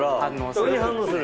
それに反応する？